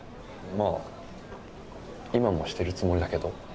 まあ今もしてるつもりだけど。